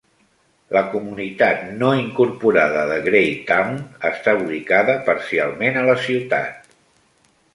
La comunitat no incorporada de Graytown està ubicada parcialment a la ciutat.